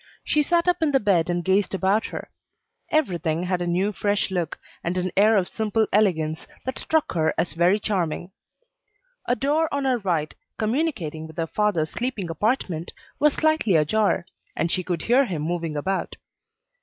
She sat up in the bed and gazed about her. Everything had a new, fresh look, and an air of simple elegance, that struck her as very charming. A door on her right, communicating with her father's sleeping apartment, was slightly ajar, and she could hear him moving about.